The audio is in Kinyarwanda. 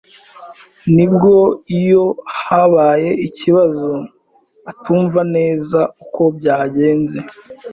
nibwo iyo habaye ikibazo atumva neza uko byagenze.